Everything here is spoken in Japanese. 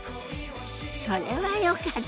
それはよかった。